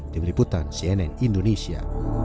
di beriputan cnn indonesia